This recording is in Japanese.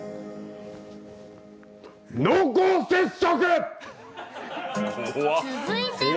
濃厚接触！